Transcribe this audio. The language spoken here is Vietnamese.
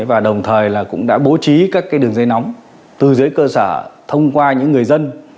và đồng thời cũng đã bố trí các đường dây nóng từ dưới cơ sở thông qua những người dân